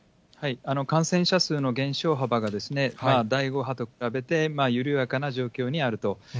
感染者数の減少幅が、第５波と比べて緩やかな状況にあると。